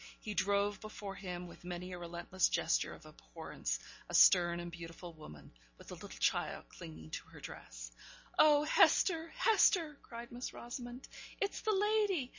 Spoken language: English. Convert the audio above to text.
He drove before him, with many a relentless gesture of abhorrence, a stern and beautiful woman, with a little child clinging to her dress. 'Oh, Hester! Hester!' cried Miss Rosamond; 'it's the lady!